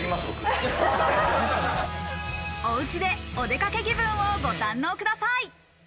おうちでお出かけ気分をご堪能ください。